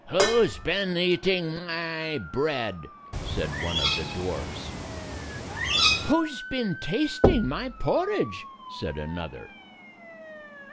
"Who 's been eating my bread?" said one of the dwarfs. "Who 's been tasting my por ridge?" said another.